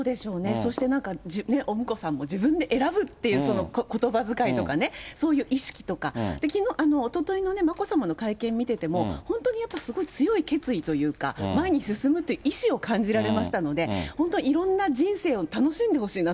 そしてお婿さんも自分で選ぶっていう、そのことばづかいとかね、そういう意識とか、おとといのね、眞子さまの会見見てても、本当にやっぱりすごい強い決意というか、前に進むっていう意思を感じられましたので、本当にいろんな人生そうですね。